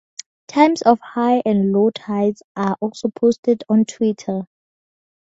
Times of high and low tides are also posted on Twitter.